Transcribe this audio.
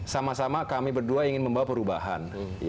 sama sama kami berdua ingin membawa perubahan